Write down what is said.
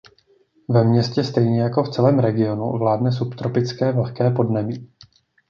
Ve městě stejně jako v celém regionu vládne subtropické vlhké podnebí.